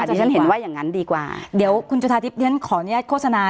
ที่ฉันเห็นว่าอย่างนั้นดีกว่าเดี๋ยวคุณจุธาทิพย์ขออนุญาตโฆษณา